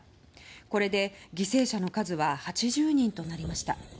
これで犠牲者の数は８０人となりました。